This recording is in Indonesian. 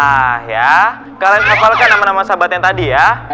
nah ya kalian hafalkan nama nama sahabatnya tadi ya